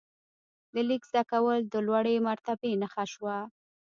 د لیک زده کول د لوړې مرتبې نښه شوه.